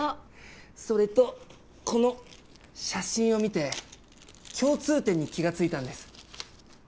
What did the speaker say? それとこの写真を見て共通点に気が付いたんです。